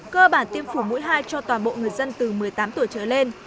cơ bản tiêm phổi mũi hai cho toàn bộ người dân từ một mươi tám tuổi trở lên